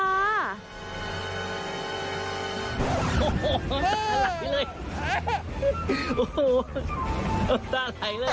โอ้โห้ตายเลย